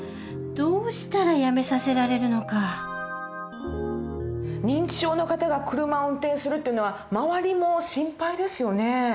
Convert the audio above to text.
どうしたらやめさせられるのか認知症の方が車を運転するっていうのは周りも心配ですよね。